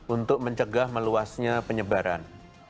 untuk mencegah meluasnya penyebaran